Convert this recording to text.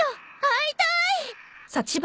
会いたい！